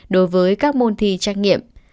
đối với các môn thi trách nhiệm